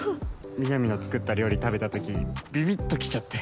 ミナミの作った料理食べたときビビッときちゃって。